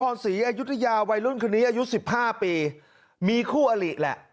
ศรีอายุทยาวัยรุ่นคนนี้อายุสิบห้าปีมีคู่อลิแหละ